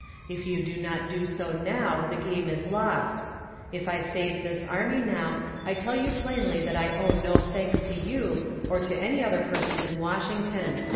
If you do not do so now, the game is lost. If I save this army now, I tell you plainly that I owe no thanks to you, or to any other persons in Washington.